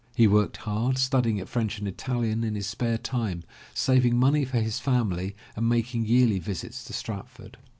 He worked hard, studying at French and Italian in his spare time, saving money for his family and making yearly visits to Stratford.